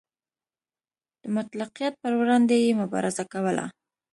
د مطلقیت پر وړاندې یې مبارزه کوله.